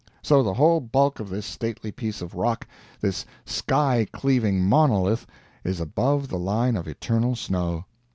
So the whole bulk of this stately piece of rock, this sky cleaving monolith, is above the line of eternal snow.